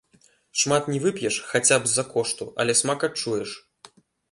Шмат не вып'еш, хаця б з-за кошту, але смак адчуеш.